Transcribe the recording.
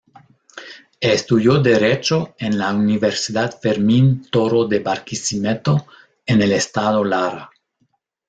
Estudió derecho en la Universidad Fermín Toro de Barquisimeto en el estado Lara.